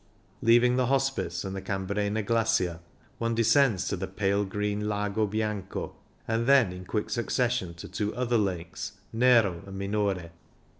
Leaving the Hos pice and the Cambrena Glacier, one de scends to the pale green Lago Bianco, and then in quick succession to two other lakes, Nero and Minore.